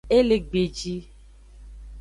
E le gbeji.